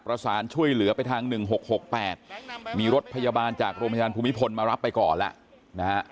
ประสานช่วยเหลือไปทาง๑๖๖๘มีรถพยาบาลจากโรงพยาบาลภูมิพลมารับไปก่อนแล้วนะฮะ